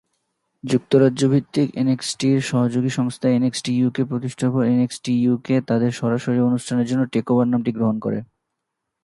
যুক্তরাজ্য ভিত্তিক এনএক্সটির সহযোগী সংস্থা এনএক্সটি ইউকে প্রতিষ্ঠার পর, এনএক্সটি ইউকে তাদের সরাসরি অনুষ্ঠানের জন্য টেকওভার নামটি গ্রহণ করে।